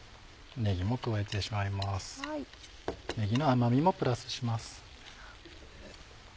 ねぎの甘みもプラスします。